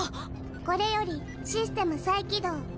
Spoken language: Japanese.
これよりシステム再起動。